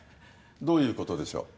どういう事でしょう？